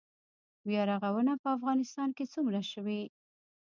بیا رغونه په افغانستان کې څومره شوې؟